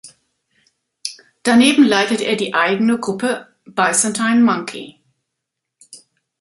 Daneben leitet er die eigene Gruppe "Byzantine Monkey".